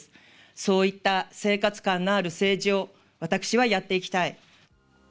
そういった生活感のある政治を私はやっていきたい。